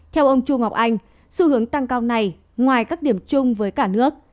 theo ông chu ngọc anh xu hướng tăng cao này ngoài các điểm chung với cả nước